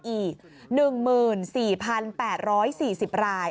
อีก๑๔๘๔๐ราย